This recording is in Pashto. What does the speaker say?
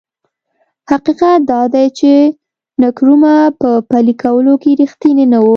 حقیقت دا دی چې نکرومه په پلي کولو کې رښتینی نه و.